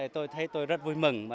tôi thấy tôi rất vui mừng